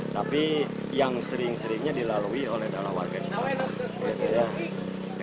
tapi yang sering seringnya dilalui oleh dalam warga jakarta